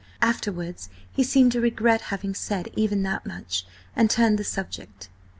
Afterwards he seemed to regret having said even that much, and turned the subject."